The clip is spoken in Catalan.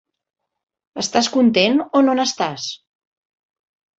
Estàs content o no n'estàs?